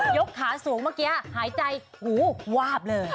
กขาสูงเมื่อกี้หายใจหูวาบเลย